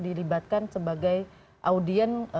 dilibatkan sebagai audien